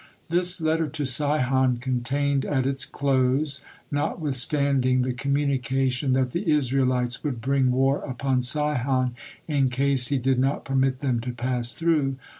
This letter to Sihon contained at its close, notwithstanding, the communication that the Israelites would bring war upon Sihon in case he did not permit them to pass through.